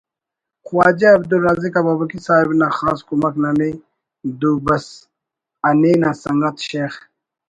خواجہ عبدالرازق ابابکی صاحب نا خاص کمک ننے د ُد بس ہنین آ سنگت شیخ